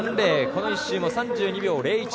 この１周も３２秒０１。